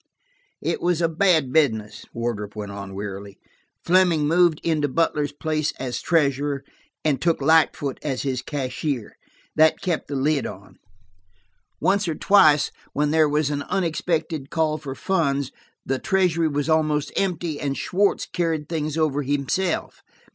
"It was a bad business," Wardrop went on wearily. "Fleming moved into Butler's place as treasurer, and took Lightfoot as his cashier. That kept the lid on. Once or twice, when there was an unexpected call for funds, the treasury was almost empty, and Schwartz carried things over himself.